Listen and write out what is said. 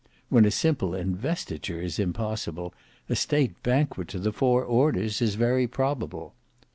When a simple investiture is impossible, a state banquet to the four orders is very probable.